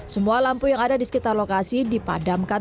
semua lampu yang ada di sekitar lokasi dipadamkan